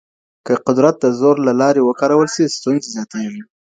که قدرت د زور له لاري وکارول سي ستونزي زياتيږي.